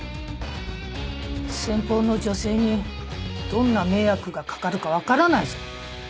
先方の女性にどんな迷惑が掛かるか分からないぞ